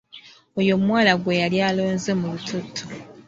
Oyo omuwala gwe yali alonze mu lutotto.